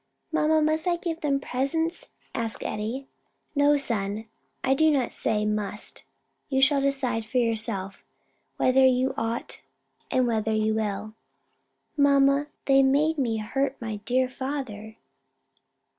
"Mamma, must I give them presents?" asked Eddie. "No, son, I do not say must; you shall decide for yourself whether you ought, and whether you will." "Mamma, they made me hurt my dear father."